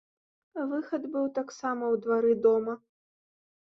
Выхад быў таксама ў двары дома.